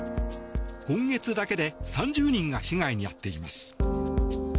今月だけで３０人が被害に遭っています。